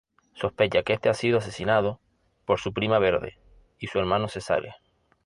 Sospecha que este ha sido asesinado por su prima Verde y su hermano Cesare.